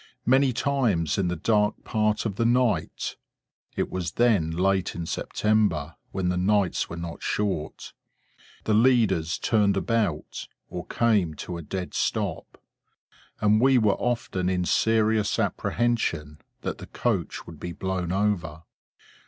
Many times, in the dark part of the night (it was then late in September, when the nights were not short), the leaders turned about, or came to a dead stop; and we were often in serious apprehension that the coach would be blown over.